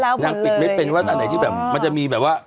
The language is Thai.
เออนังปิดเม็ดเป็นแบบมันจะมีแบบวะ